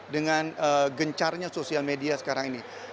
dengan gencarnya sosial media sekarang ini